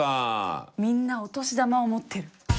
みんなお年玉を持ってる。